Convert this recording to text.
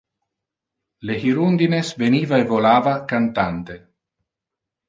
Le hirundines veniva e volava, cantante.